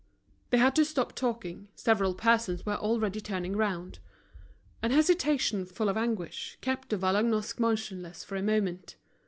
They had to stop talking, several persons were already turning round. An hesitation full of anguish kept De Vallagnosc motionless for a moment.